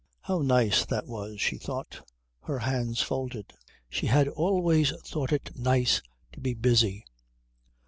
How nice that was, she thought, her hands folded; she had always thought it nice to be busy.